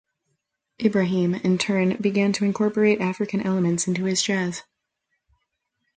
Ibrahim in turn began to incorporate African elements into his jazz.